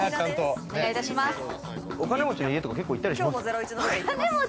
お金持ちの家とか結構行ったりしますか？